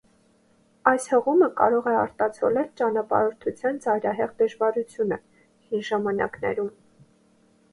Այս հղումը կարող է արտացոլել ճանապարհորդության ծայրահեղ դժվարությունը հին ժամանակներում։